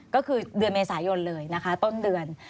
ก็คือเดือนเมษายนเลยนะคะต้นเดือน